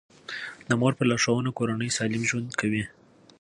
د مور په لارښوونه کورنۍ سالم ژوند کوي.